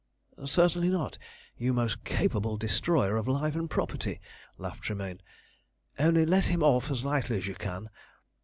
"Certainly not, you most capable destroyer of life and property," laughed Tremayne. "Only let him off as lightly as you can.